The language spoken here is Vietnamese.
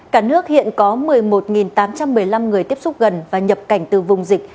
cả nước hiện có một mươi một tám trăm một mươi năm người tiếp xúc gần và nhập cảnh từ vùng dịch